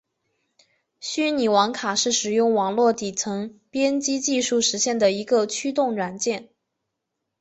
虚拟网卡是使用网络底层编程技术实现的一个驱动软件。